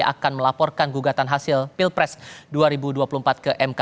akan melaporkan gugatan hasil pilpres dua ribu dua puluh empat ke mk